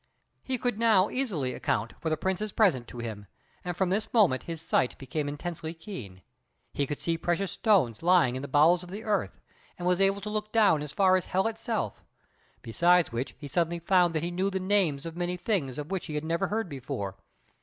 He could now easily account for the Prince's present to him; and from this moment his sight became intensely keen. He could see precious stones lying in the bowels of the earth, and was able to look down as far as Hell itself; besides which he suddenly found that he knew the names of many things of which he had never heard before.